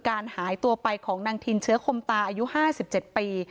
การหายตัวไปของนางทินเชื้อคมตาอายุ๕๗ปี